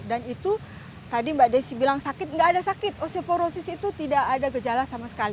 dan itu tadi mbak desi bilang sakit nggak ada sakit osteoporosis itu tidak ada gejala sama sekali